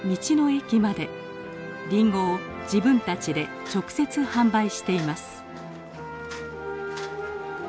リンゴを自分たちで直接販売しています。